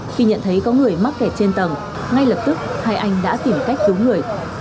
khi nhận thấy có người mắc kẹt trên tầng ngay lập tức hai anh đã tìm cách cứu người